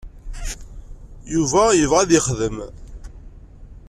Yuba yebɣa ad yexdem.